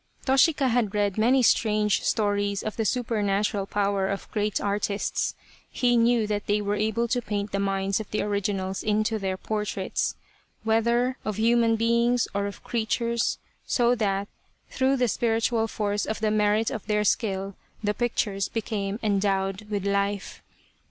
Toshika had read many strange stories of the super natural power of great artists. He knew that they were able to paint the minds of the originals into their portraits, whether of human beings or of creatures, so that through the spiritual force of the merit of their skill the pictures became endowed with life.